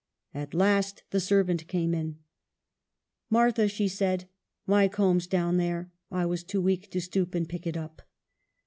At last the servant came in :" Martha," she said, " my comb's down there ; I was too weak to stoop and pick it up."